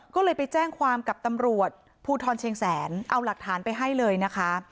ก็เลยไปแจ้งความกับตำรวจภูทรเชียงแสนเอาหลักฐานไปให้เลยนะคะ